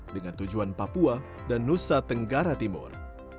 dengan tujuan papua dan nusa tenggara timur